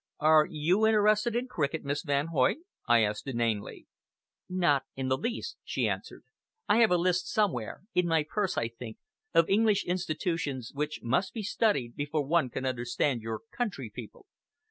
"Are you interested in cricket, Miss Van Hoyt?" I asked inanely. "Not in the least," she answered. "I have a list somewhere in my purse, I think of English institutions which must be studied before one can understand your country people.